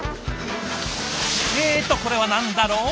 えっとこれは何だろう？